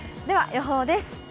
では予報です。